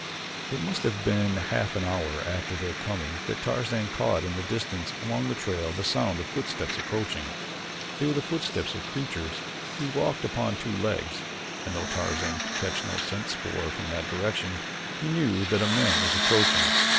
It must have been a half hour after their coming that Tarzan caught in the distance along the trail the sound of footsteps approaching. They were the footsteps of a creature who walked upon two legs, and though Tarzan could catch no scent spoor from that direction he knew that a man was approaching.